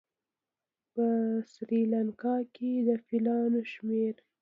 په سریلانکا کې د فیلانو شمېر